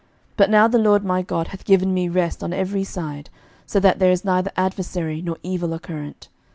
11:005:004 But now the LORD my God hath given me rest on every side, so that there is neither adversary nor evil occurrent.